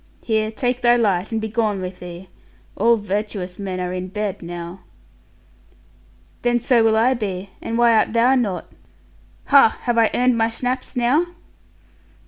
Here take thy light, and be gone with thee. All virtuous men are in bed now.' 'Then so will I be, and why art thou not? Ha, have I earned my schnapps now?'